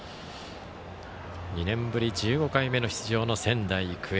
２年ぶり１５回目の出場の仙台育英。